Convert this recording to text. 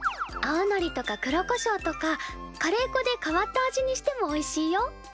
青のりとか黒こしょうとかカレー粉で変わった味にしてもおいしいよ。